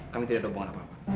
kami tidak ada hubungan apa apa